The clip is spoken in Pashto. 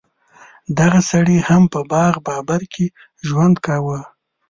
دغه سړي هم په باغ بابر کې ژوند کاوه.